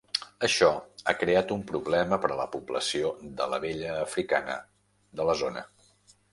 Això ha creat un problema per a la població de l'abella africana de la zona.